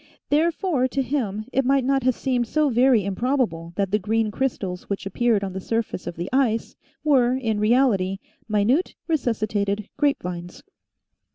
Therefore to him it might not have seemed so very improbable that the green crystals which appeared on the surface of the ice were, in reality, minute resuscitated grape vines.